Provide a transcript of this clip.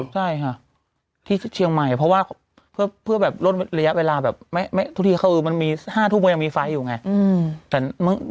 ใช่ค่ะที่เชียงใหม่เพราะว่าเพื่อแบบลดระยะเวลาแบบทุกทีคือมันมี๕ทุ่มมันยังมีไฟอยู่ไง